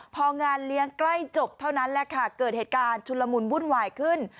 พองานเลี้ยงใกล้จบเท่านั้นแหละค่ะเกิดเหตุการณ์ชุนละมุนวุ่นวายขึ้น